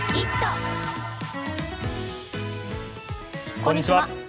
こんにちは。